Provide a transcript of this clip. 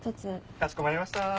かしこまりました。